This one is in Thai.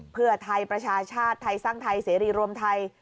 เพื่อไทยประชาชาติไทยสร้างไทยเสรีรวมไทย